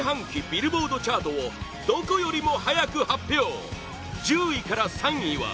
ビルボードチャートをどこよりも早く発表１０位から３位は